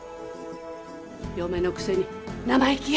嫁のくせに生意気よ。